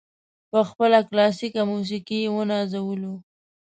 په خپله کلاسیکه موسیقي یې ونازولو.